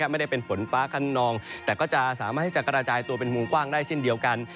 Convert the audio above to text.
ไม่ได้เป็นฝนฟ้าขนองแต่ก็จะสามารถที่จะกระจายตัวเป็นวงกว้างได้เช่นเดียวกัน